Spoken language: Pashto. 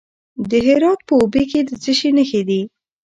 د هرات په اوبې کې د څه شي نښې دي؟